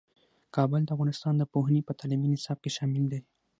کابل د افغانستان د پوهنې په تعلیمي نصاب کې شامل دی.